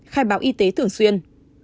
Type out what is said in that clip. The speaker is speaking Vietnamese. khai báo y tế thường xuyên